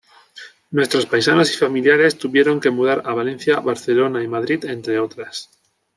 Nuestros paisanos y familiares, tuvieron que mudar a Valencia, Barcelona y Madrid, entre otras.